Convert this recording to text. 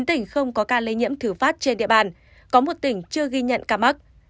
bốn tỉnh không có ca lây nhiễm thử phát trên địa bàn có một tỉnh chưa ghi nhận ca mắc